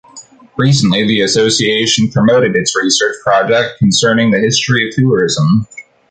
Recently the Association promoted its research project concerning the history of tourism.